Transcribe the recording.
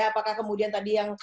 apakah kemudian tadi yang